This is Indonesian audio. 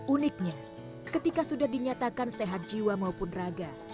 uniknya ketika sudah dinyatakan sehat jiwa maupun raga